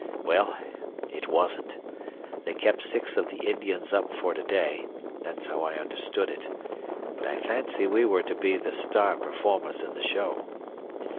"Well, it wasn't. They kept six of the Indians up for to day that's how I understood it but I fancy we were to be the star performers in the show.